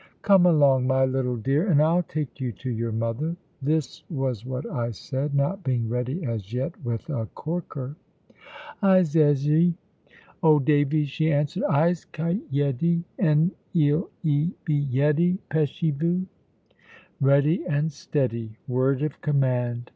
"Come along, my little dear, and I'll take you to your mother." This was what I said, not being ready, as yet, with a corker. "I'se yeady, old Davy," she answered; "I'se kite yeady. 'Hen 'll 'e be yeady? Peshy voo." "Ready and steady: word of command!